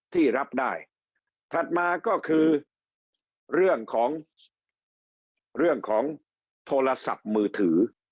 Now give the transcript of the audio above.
ที่รับได้ถัดมาก็คือเรื่องของเรื่องของโทรศัพท์มือถือ